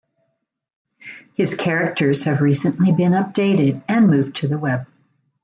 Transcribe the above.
His characters have recently been updated and moved to the Web.